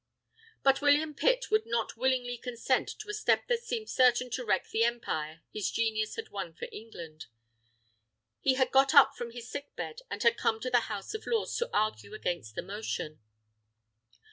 But William Pitt would not willingly consent to a step that seemed certain to wreck the Empire his genius had won for England. He had got up from his sick bed, and had come into the House of Lords to argue against the motion.